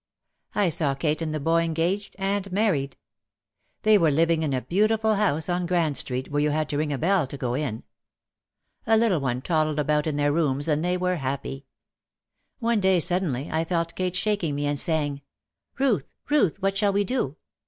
I saw Kate and the boy engaged and married. They were living in a beautiful house on Grand Street where you had to ring a bell to go in. A little one toddled about in their rooms and they were happy. One day suddenly I felt Kate shaking me and saying, "Ruth, Ruth, what shall we do?